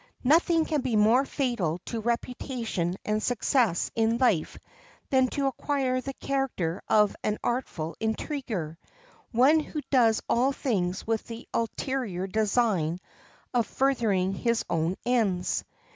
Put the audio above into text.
Nothing can be more fatal to reputation and success in life than to acquire the character of an artful intriguer, one who does all things with the ulterior design of furthering his own ends.